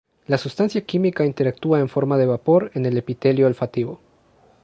La sustancia química interactúa en forma de vapor en el epitelio olfativo.